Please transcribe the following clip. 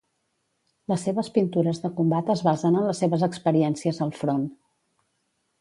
Les seves pintures de combat es basen en les seves experiències al front.